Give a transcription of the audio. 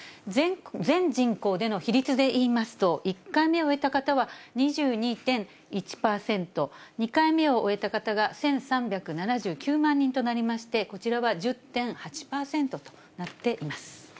全人口での比率でいいますと、１回目を終えた方は２２．１％、２回目を終えた方が１３７９万人となりまして、こちらは１０．８％となっています。